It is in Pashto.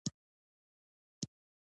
خوان دومینګو پېرون ولسمشر شو.